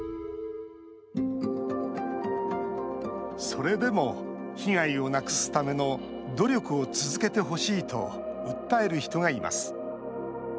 それでも被害をなくすための努力を続けてほしいと訴える人がいます。